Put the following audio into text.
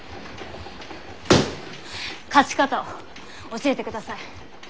勝ち方を教えてください。